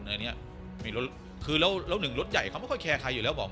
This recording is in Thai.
มาก็เหยียบคุณคือเราหนึ่งรถใหญ่ไม่ค่อยแคร์ใครอยู่แล้วบอก